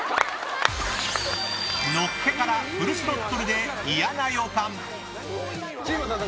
のっけからフルスロットルで嫌な予感。